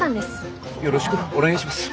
よろしくお願いします。